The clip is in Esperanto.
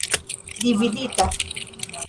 dividita